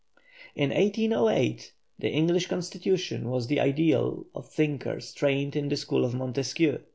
In 1808 the English constitution was the ideal of thinkers trained in the school of Montesquieu.